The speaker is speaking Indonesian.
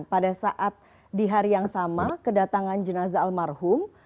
pada saat di hari yang sama kedatangan jenazah almarhum